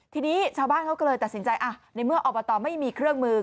ทีนี้ชาวบ้านเขาก็เลยตัดสินใจในเมื่ออบตไม่มีเครื่องมือ